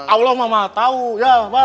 allah mama tau ya bang